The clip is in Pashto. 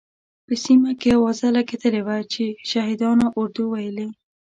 په سیمه کې اوازه لګېدلې وه چې شهادیانو اردو ویلې.